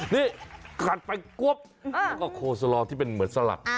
นี่ขัดไปกว๊บแล้วก็โคสลอที่เป็นเหมือนสลัด